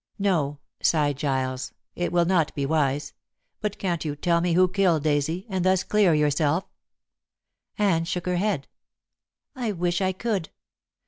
"No," sighed Giles, "it will not be wise. But can't you tell me who killed Daisy, and thus clear yourself?" Anne shook her head. "I wish I could.